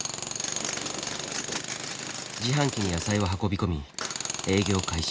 自販機に野菜を運び込み営業開始。